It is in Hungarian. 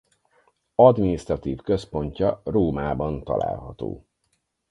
Adminisztratív központja Rómában található.